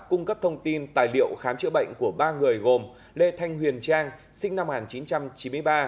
cung cấp thông tin tài liệu khám chữa bệnh của ba người gồm lê thanh huyền trang sinh năm một nghìn chín trăm chín mươi ba